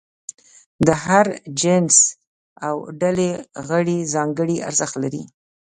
د هر جنس او ډلې غړي ځانګړي ارزښت لري.